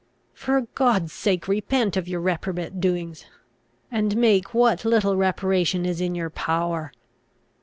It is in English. For God's sake, repent of your reprobate doings, and make what little reparation is in your power!